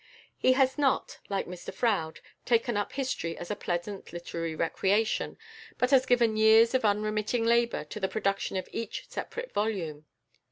He has not, like Mr Froude, taken up history as a pleasant literary recreation, but has given years of unremitting labour to the production of each separate volume.